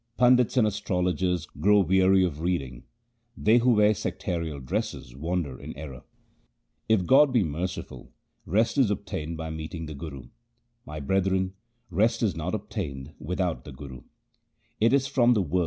Pandits and astrologers grow weary of reading ; they who wear sectarial dresses wander in error. If God be merciful, rest is obtained by meeting the Guru. My brethren, rest is not obtained without the Guru.